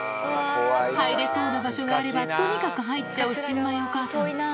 入れそうな場所があれば、とにかく入っちゃう新米お母さん。